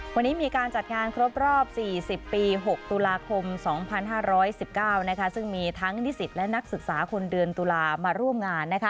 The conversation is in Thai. วันนี้มีการจัดงานครบรอบ๔๐ปี๖ตุลาคม๒๕๑๙ซึ่งมีทั้งนิสิตและนักศึกษาคนเดือนตุลามาร่วมงาน